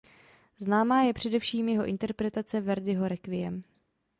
Známá je především jeho interpretace Verdiho "Requiem".